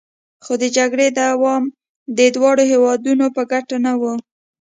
خو د جګړې دوام د دواړو هیوادونو په ګټه نه و